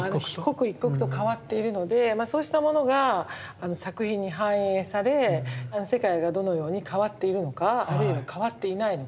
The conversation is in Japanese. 刻一刻と変わっているのでそうしたものが作品に反映され世界がどのように変わっているのかあるいは変わっていないのか。